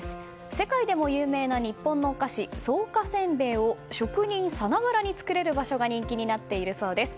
世界でも有名な日本のお菓子草加せんべいを職人さながらに作れる場所が人気になっているそうです。